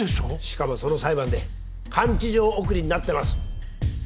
しかもその裁判で監置場送りになってます。